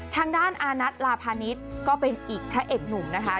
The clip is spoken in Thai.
ทางด้านอานัทลาพาณิชย์ก็เป็นอีกพระเอกหนุ่มนะคะ